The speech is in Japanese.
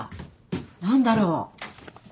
何だろう？